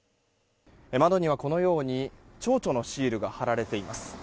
窓にはこのようにちょうちょのシールが貼られています。